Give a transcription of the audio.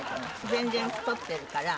全然太ってるから。